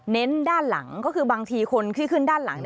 ้นด้านหลังก็คือบางทีคนที่ขึ้นด้านหลัง